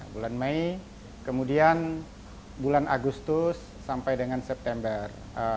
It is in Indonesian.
bulan mei kemudian bulan agustus sampai dengan september